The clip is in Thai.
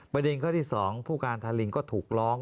ประเด็นข้อที่๒ผู้การทารินก็ถูกร้อง